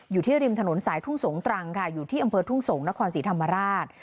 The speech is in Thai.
อยู่ที่ริมถนนสายทุ่งสงตรังค่ะอยู่ที่อำเภอทุ่งสงศ์นครศรีธรรมราช